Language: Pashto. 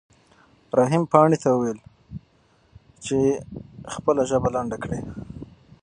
رحیم پاڼې ته وویل چې خپله ژبه لنډه کړي.